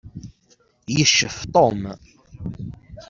Yeccef Tom.